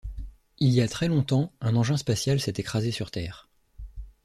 Il y a très longtemps, un engin spatial s'est écrasé sur Terre.